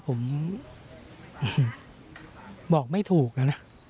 ผมบอกไม่ถูกนะ